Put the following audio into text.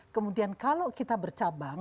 kemudian kalau kita bercabang